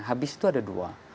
habis itu ada dua